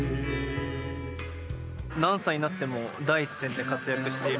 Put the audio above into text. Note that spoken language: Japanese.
何歳になっても第一線で活躍している。